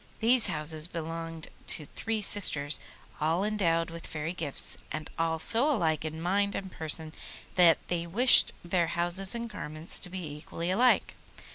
These houses belonged to three sisters, all endowed with fairy gifts, and all so alike in mind and person that they wished their houses and garments to be equally alike.